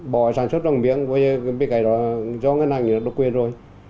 bởi sản xuất vàng miếng do ngân hàng nhà nước độc quyền rồi